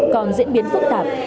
còn diễn biến phức tạp